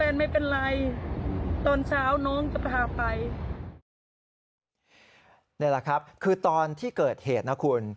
นี่แหละครับคือตอนที่เกิดเหตุนะคุณ